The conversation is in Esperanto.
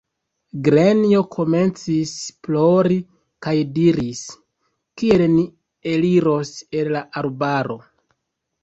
Grenjo komencis plori kaj diris: Kiel ni eliros el la arbaro!